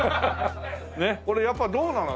これやっぱどうなの？